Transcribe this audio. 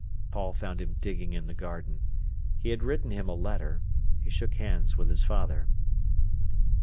Paul found him digging in the garden. He had written him a letter. He shook hands with his father.